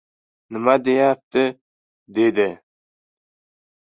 — Nima deyapti? — dedi.